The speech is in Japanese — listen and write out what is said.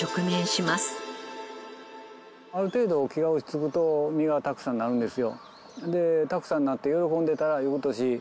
ある程度木が落ち着くと実がたくさんなるんですよ。